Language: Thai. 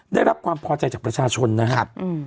ได้รับความพอใจจากประชาชนนะครับ